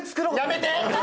やめて！